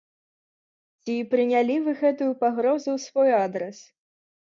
Ці прынялі вы гэтую пагрозу ў свой адрас.